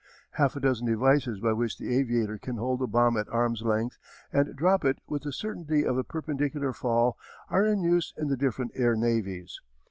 Half a dozen devices by which the aviator can hold the bomb at arm's length and drop it with the certainty of a perpendicular fall are in use in the different air navies.